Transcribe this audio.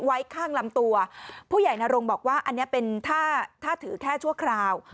ไว้ข้างลำตัวผู้ใหญ่นรงบอกว่าอันนี้เป็นถ้าถ้าถือแค่ชั่วคราว